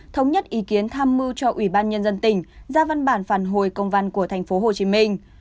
thống nhất ý kiến tham mưu cho ubnd tỉnh ra văn bản phản hồi công văn của thành phố hồ chí minh